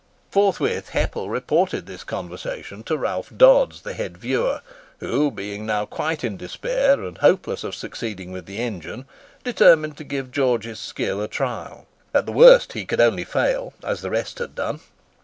Forthwith Heppel reported this conversation to Ralph Dodds, the head viewer, who, being now quite in despair, and hopeless of succeeding with the engine, determined to give George's skill a trial. At the worst he could only fail, as the rest had done.